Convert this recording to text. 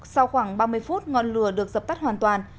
sau khoảng ba mươi phút ngọn lửa được dập tắt hoàn toàn